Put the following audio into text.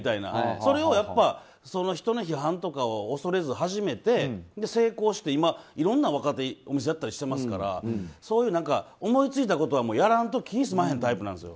それを、人の批判とかを恐れずに始めて成功して今、いろんな若手お店やったりしていますからそういう思いついたことはやらんと気が済まへんタイプなんですよ。